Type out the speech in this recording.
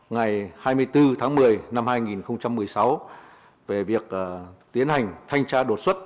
ngày hai mươi bốn tháng một mươi năm hai nghìn một mươi sáu về việc tiến hành thanh tra đột xuất